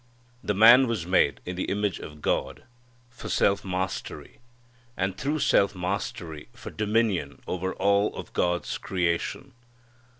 The man was made in the image of God, for self mastery, and through self mastery for dominion over all of God's creation.